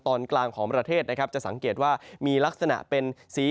ตอนกลางของประเทศนะครับจะสังเกตว่ามีลักษณะเป็นสี